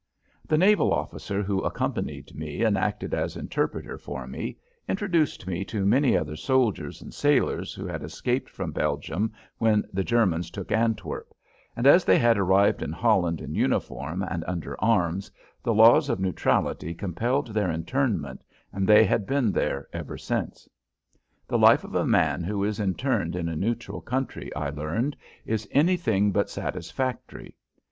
The naval officer who accompanied me and acted as interpreter for me introduced me to many other soldiers and sailors who had escaped from Belgium when the Germans took Antwerp, and as they had arrived in Holland in uniform and under arms the laws of neutrality compelled their internment, and they had been there ever since. The life of a man who is interned in a neutral country, I learned, is anything but satisfactory.